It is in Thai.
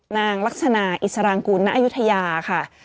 นางลักษณะอิสรางกุลณอายุทยาค่ะ